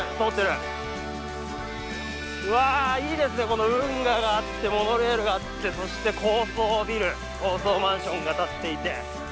この運河があってモノレールがあってそして高層ビル高層マンションが立っていて。